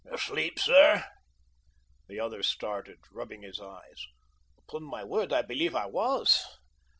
"Asleep, sir?" The other started, rubbing his eyes. "Upon my word, I believe I was."